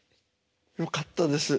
よかったです。